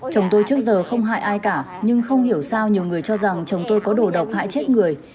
chồng tôi trước giờ không hại ai cả nhưng không hiểu sao nhiều người cho rằng chồng tôi có đồ độc hại chết người